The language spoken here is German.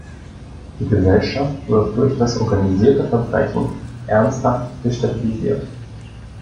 Die Gesellschaft wird durch das organisierte Verbrechen ernsthaft destabilisiert.